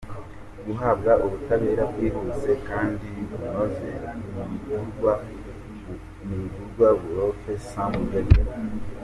Guhabwa ubutabera bwihuse kandi bunoze ntibigurwa - Purofe Samu Rugege